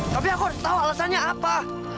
tapi aku harus tahu alasannya apa